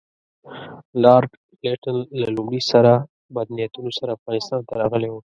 لارډ لیټن له لومړي سره بد نیتونو سره افغانستان ته راغلی وو.